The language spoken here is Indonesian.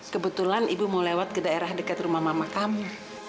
kebetulan ibu mau lewat ke daerah dekat rumah mama kami